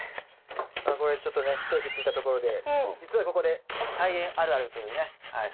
まあこれでちょっとね一息ついたところで実はここで「菜園あるある」というねそういうお悩みが届いておりますので。